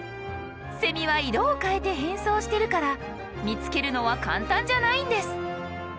セミは色を変えて変装してるから見つけるのは簡単じゃないんです。